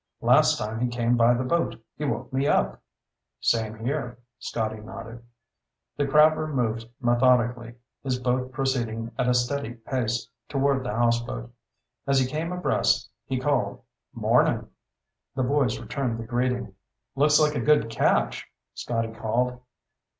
Last time he came by the boat he woke me up." "Same here." Scotty nodded. The crabber moved methodically, his boat proceeding at a steady pace toward the houseboat. As he came abreast, he called, "Mornin'." The boys returned the greeting. "Looks like a good catch," Scotty called.